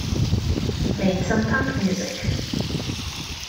Made some punk music.